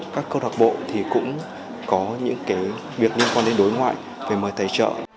các cơ đặc bộ thì cũng có những việc liên quan đến đối ngoại về mời tài trợ